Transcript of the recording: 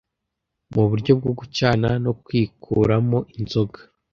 Muburyo bwo gucana no kwikuramo inzoga?